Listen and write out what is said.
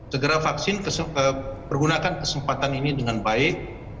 segera vaksin pergunakan kesempatan ini dengan baik